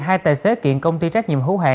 hai tài xế kiện công ty trách nhiệm hữu hạng